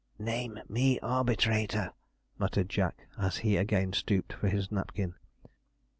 'Name me arbitrator,' muttered Jack, as he again stooped for his napkin.